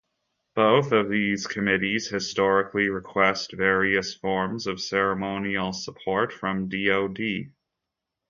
Both of these committees historically request various forms of ceremonial support from DoD.